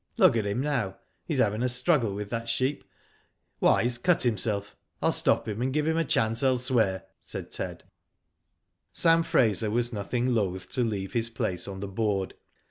Look at him now.^ He's having a struggle with that sheep. Why he's cut himself. I'll stop him, and give him a chance elsewhere," said Ted. Sam Fraser, was nothing loth to leave his place on the board.